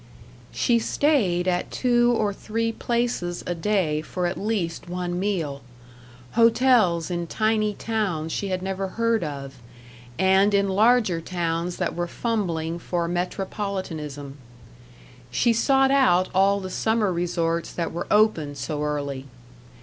She stayed at two or three places a day for at least one meal hotels in tiny towns she had never heard of, and in larger towns that were fumbling for metropolitanism. She sought out all the summer resorts that were open so early.